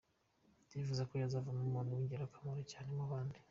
Ndifuza ko yazavamo umuntu w’ingirakamaro cyane mu bandi.